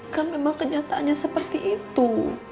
kan memang kenyataannya seperti itu